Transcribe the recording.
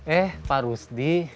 eh pak rusdi